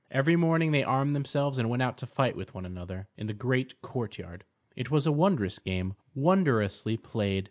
Every morning they armed themselves and went out to fight with one another in the great courtyard. It was a wondrous game, wondrously played.